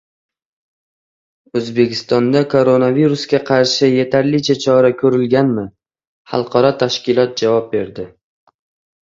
O‘zbekistonda koronavirusga qarshi yetarlicha chora ko‘rilganmi? Xalqaro tashkilot javob berdi